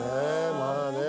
まあね